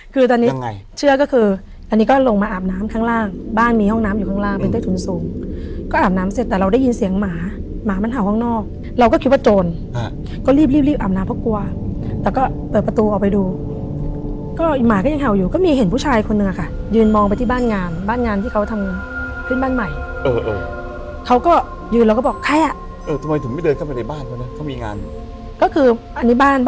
คือตอนนี้เชื่อก็คืออันนี้ก็ลงมาอาบน้ำข้างล่างบ้านมีห้องน้ำอยู่ข้างล่างเป็นเต้นศูนย์สูงก็อาบน้ำเสร็จแต่เราได้ยินเสียงหมาหมามันเห่าข้างนอกเราก็คิดว่าโจรก็รีบรีบอาบน้ำเพราะกลัวแต่ก็เปิดประตูเอาไปดูก็หมาก็ยังเห่าอยู่ก็มีเห็นผู้ชายคนหนึ่งอ่ะค่ะยืนมองไปที่บ้านงานบ้านงานที่เขาทำขึ้น